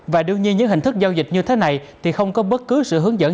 và đương nhiên những hình thức giao dịch như thế này thì không có bất cứ sự hướng dẫn